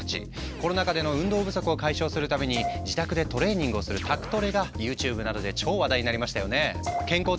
コロナ禍での運動不足を解消するために自宅でトレーニングをする宅トレがＹｏｕＴｕｂｅなどで超話題になりましたよね。